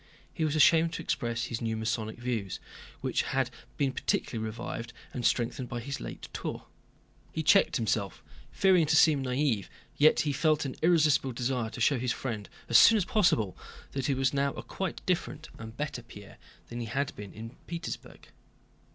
He was ashamed to express his new Masonic views, which had been particularly revived and strengthened by his late tour. He checked himself, fearing to seem naïve, yet he felt an irresistible desire to show his friend as soon as possible that he was now a quite different, and better, Pierre than he had been in Petersburg.